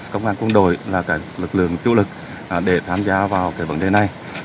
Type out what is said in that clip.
công an quân đội là lực lượng trụ lực để tham gia vào vấn đề này